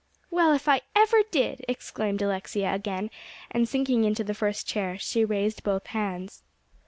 "Well, if I ever did!" exclaimed Alexia again, and sinking into the first chair, she raised both hands.